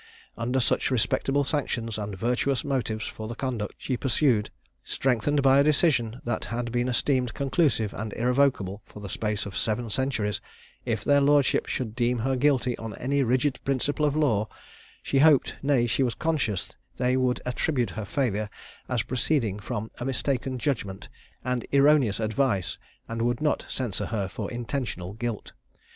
Under such respectable sanctions and virtuous motives for the conduct she pursued, strengthened by a decision that had been esteemed conclusive and irrevocable for the space of seven centuries, if their lordships should deem her guilty on any rigid principle of law, she hoped, nay, she was conscious, they would attribute her failure as proceeding from a mistaken judgment and erroneous advice, and would not censure her for intentional guilt.